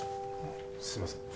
すいません。